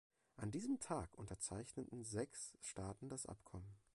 An diesem Tag unterzeichneten sechs Staaten das Abkommen.